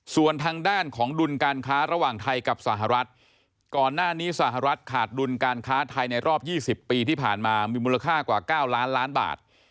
ส่วนทางด้านของดุลการค้าระหว่างไทยกับสหรัฐก่อนหน้านี้สหรัฐขาดดุลการค้าไทยในรอบ๒๐ปีที่ผ่านมามีมูลค่ากว่า๙ล้านล้านบาท